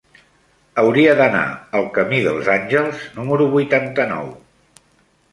Hauria d'anar al camí dels Àngels número vuitanta-nou.